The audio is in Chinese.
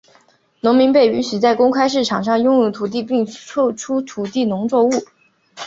农民被允许在公开市场上拥有土地并出售农作物。